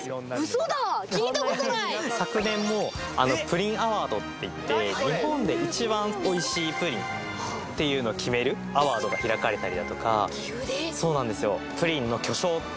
嘘だ聞いたことない昨年もプリンアワードっていって日本で一番おいしいプリンっていうのを決めるアワードが開かれたりだとか岐阜で？